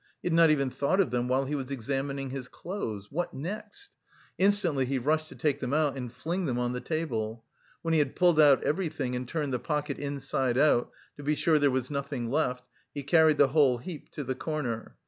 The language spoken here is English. He had not even thought of them while he was examining his clothes! What next? Instantly he rushed to take them out and fling them on the table. When he had pulled out everything, and turned the pocket inside out to be sure there was nothing left, he carried the whole heap to the corner.